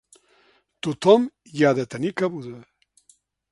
Tothom hi ha de tenir cabuda.